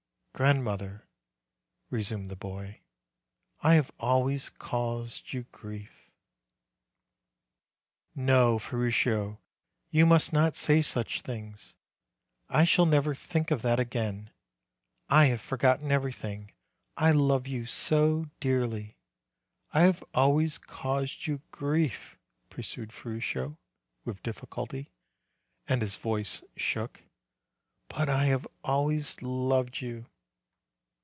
"Grandmother," resumed the boy, "I have always caused you grief." "No, Ferruccio, you must not say such things; I shall never think of that again; I have forgotten every thing, I love you so dearly !" "I have always caused you grief," pursued Ferruccio, with difficulty, and his voice shook; "but I have always loved you.